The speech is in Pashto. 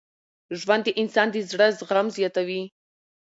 ژوند د انسان د زړه زغم زیاتوي.